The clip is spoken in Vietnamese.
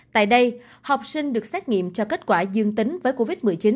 tại đây học sinh được xét nghiệm cho kết quả dương tính với covid một mươi chín